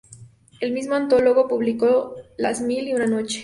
El mismo antólogo publicó "Las mil y una noche.